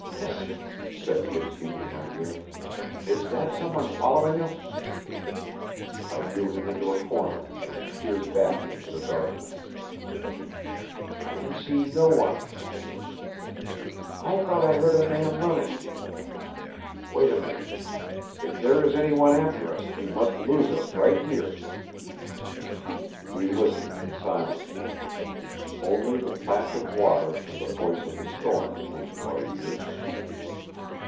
"Hist!" said Fitzhugh in my ear. "Is that some one following us?" I drew him into a corner, and peered back into the darkness. "I can see no one." "I thought I heard a man running." "Wait a minute. If there is any one after us he must lose us right here." We listened in silence. Only the plash of water and the voice of the storm came to our ears.